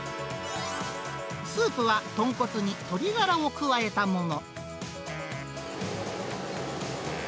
スープは、豚骨に鶏ガラを加えたもの。